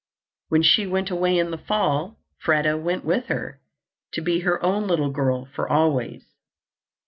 When she went away in the fall, Freda went with her "to be her own little girl for always."